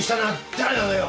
誰なのよ！